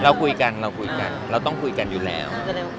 เราคุยกันเราคุยกันเราต้องคุยกันอยู่แล้ว